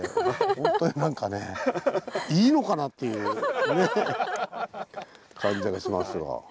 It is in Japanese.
ほんとにいいのかなっていう感じがしますが。